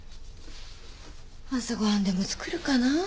朝ご飯でも作るかなぁ。